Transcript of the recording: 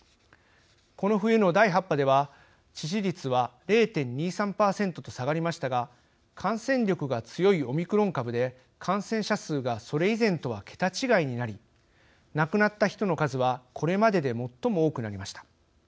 この冬の第８波では致死率は０．２３％と下がりましたが感染力が強いオミクロン株で感染者数がそれ以前とは桁違いになり亡くなった人の数はこれまでで最も多くなりました。